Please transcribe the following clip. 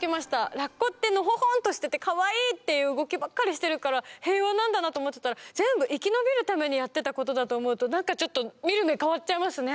ラッコってのほほんとしててかわいいっていう動きばっかりしてるから平和なんだなと思ってたら全部生き延びるためにやってたことだと思うと何かちょっと見る目変わっちゃいますね。